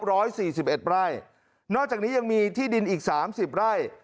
ร้อยสี่สิบเอ็ดไร่นอกจากนี้ยังมีที่ดินอีกสามสิบไร่